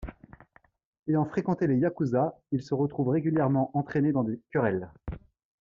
Ayant fréquenté les yakuzas, il se retrouve régulièrement entraîné dans des querelles.